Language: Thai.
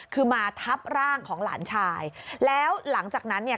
คือมาทับร่างของหลานชายแล้วหลังจากนั้นเนี่ย